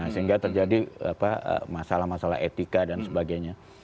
sehingga terjadi masalah masalah etika dan sebagainya